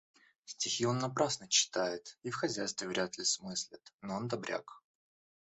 Стихи он напрасно читает и в хозяйстве вряд ли смыслит, но он добряк.